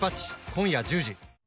今夜１０時。